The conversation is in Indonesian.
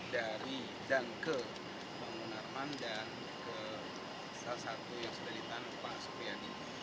dari dan ke pak munarman dan ke salah satu yang sudah ditanam pak supriyadi